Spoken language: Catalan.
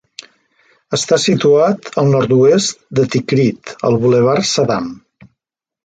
Està situat al nord-oest de Tikrit al Bulevard Saddam.